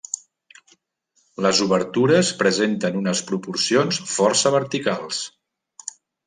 Les obertures presenten unes proporcions força verticals.